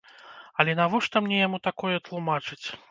Але навошта мне яму такое тлумачыць?